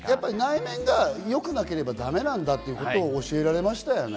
内面が良くなければ、だめなんだってことを教えられましたよね。